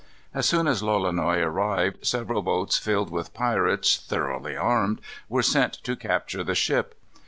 As soon as Lolonois arrived, several boats filled with pirates, thoroughly armed, were sent to capture the ship.